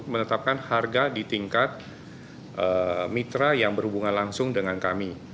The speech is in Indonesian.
menetapkan harga di tingkat mitra yang berhubungan langsung dengan kami